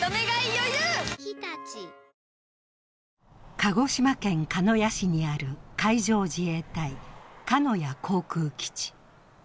鹿児島県鹿屋市にある海上自衛隊鹿屋航空基地。